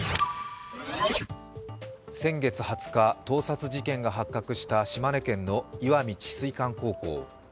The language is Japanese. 先月２０日、盗撮事件が発覚した島根県の石見智翠館高校。